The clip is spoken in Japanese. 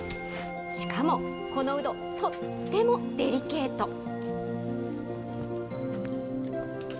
しかも、このうど、とってもデリケート。